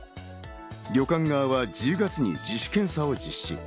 旅館側は１０月に自主検査を実施。